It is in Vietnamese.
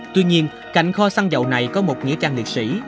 tuy nhiên cạnh kho săn dầu này có một nghĩa trang liệt sĩ